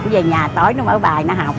về nhà tối nó mở bài nó học